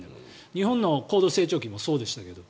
日本の高度成長期もそうでしたけど。